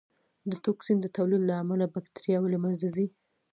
د ټوکسین د تولید له امله بکټریاوې له منځه ځي.